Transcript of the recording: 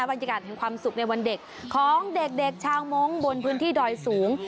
บรรยากาศแห่งความสุขในวันเด็กของเด็กชาวมงค์บนพื้นที่ดอยสูง